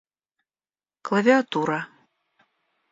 Клавиатура